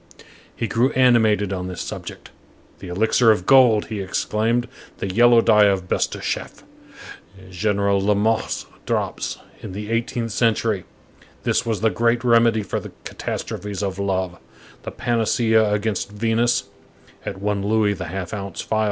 He grew animated on this subject: "The elixir of gold," he exclaimed, "the yellow dye of Bestucheff, General Lamotte's drops, in the eighteenth century,—this was the great remedy for the catastrophes of love, the panacea against Venus, at one louis the half ounce phial.